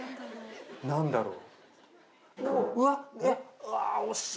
何だろう？